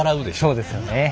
そうですよね。